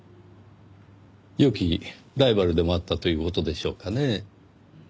良きライバルでもあったという事でしょうかねぇ？